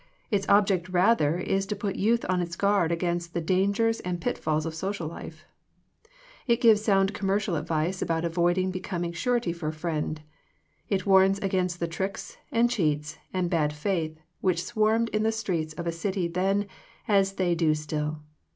Its object rather is to put youth on its guard against the dan gers and pitfalls of social life/ It gives sound commercial advice about avoiding becoming surety for a friend. It warns against the tricks, and cheats, and bad faith, which swarmed in the streets of a city then, as they do still.